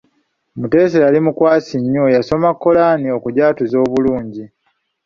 Mutesa yali mukwasi nnyo, yasoma Koraani okugyatuza obulungi.